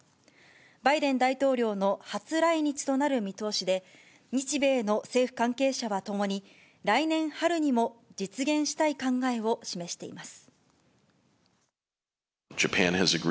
バイデン大統領の初来日となる見通しで、日米の政府関係者はともに、来年春にも実現したい考えを示しています。